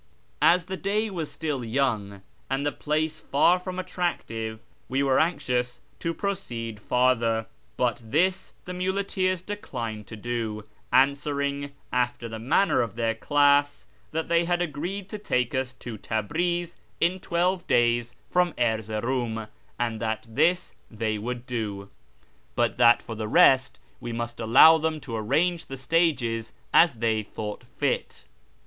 As the day was still young, and the place far from attractive, we were anxious to proceed farther, but this the muleteers declined to do, answering, after the manner of their class, that they had agreed to take us to Tabriz in twelve days from FROM ENGLAND TO THE PERSIAN FRONTIER 41 Erzeroum, and that this they would do ; but that for the rest we must allow them to arrange the stages as they thought fit.